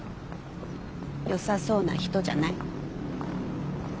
よさそうな人じゃない？